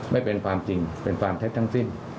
ไม่เป็นความจริงเป็นความเท็จทั้งสิ้น